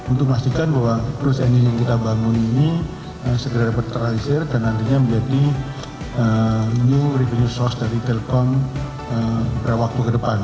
untuk memastikan bahwa perusahaan ini yang kita bangun ini segera dapat terhasil dan nantinya menjadi new revenue source dari telkom pada waktu kedepan